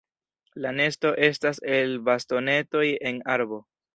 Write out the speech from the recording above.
La nesto estas el bastonetoj en arbo.